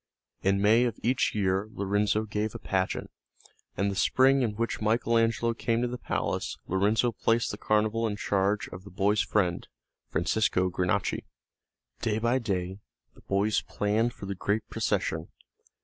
In May of each year Lorenzo gave a pageant, and the spring in which Michael Angelo came to the palace Lorenzo placed the carnival in charge of the boy's friend, Francesco Granacci. Day by day the boys planned for the great procession.